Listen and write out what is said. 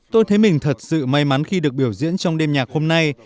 tôi thấy mình thật sự may mắn khi được biểu diễn trong đêm nhạc hôm nay